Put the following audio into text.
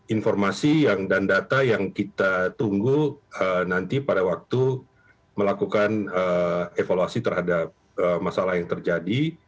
informasi dan data yang kita tunggu nanti pada waktu melakukan evaluasi terhadap masalah yang terjadi